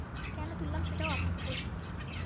কেন তুললাম সেটাও আপনাকে বলি।